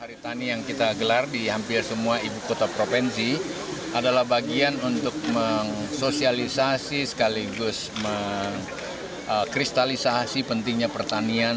hari tani yang kita gelar di hampir semua ibu kota provinsi adalah bagian untuk sosialisasi sekaligus mengkristalisasi pentingnya pertanian